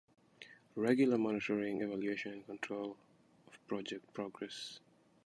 Regular monitoring, evaluation, and control of project progress.